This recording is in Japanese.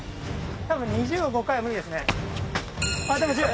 ２０を５回は無理ですね。